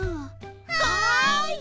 はい！